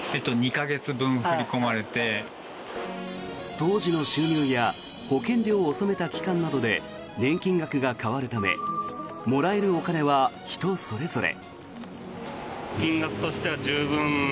当時の収入や保険料を納めた期間などで年金額が変わるためもらえるお金は人それぞれ。